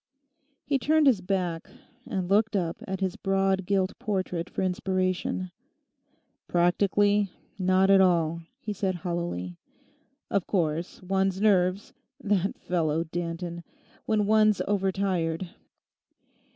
He turned his back and looked up at his broad gilt portrait for inspiration. 'Practically, not at all,' he said hollowly. 'Of course, one's nerves—that fellow Danton—when one's overtired.